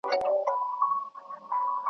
د اګسټ د میاشتي پر دیارلسمه .